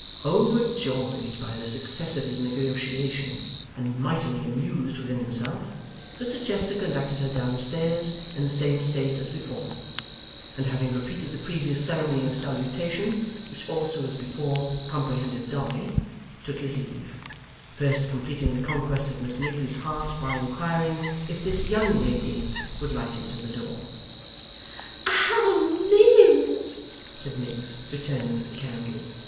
Overjoyed by the success of his negotiation, and mightily amused within himself, Mr Chester conducted her downstairs in the same state as before; and having repeated the previous ceremony of salutation, which also as before comprehended Dolly, took his leave; first completing the conquest of Miss Miggs's heart, by inquiring if 'this young lady' would light him to the door. 'Oh, mim,' said Miggs, returning with the candle.